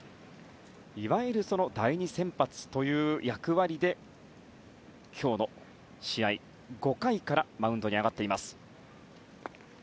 いわゆる第２先発という役割で今日の試合５回からマウンドに上がっています。